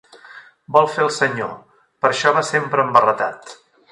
Vol fer el senyor: per això va sempre embarretat!